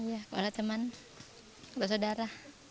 ya kalau ada teman atau saudara